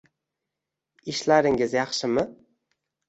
Ishlaringiz yaxshimi